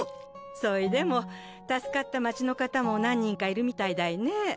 そいでも助かった街の方も何人かいるみたいだいね。